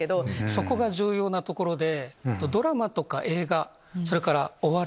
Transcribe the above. そこが重要なところで。